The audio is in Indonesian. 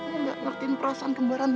lo gak ngerti perasaan kembaran lo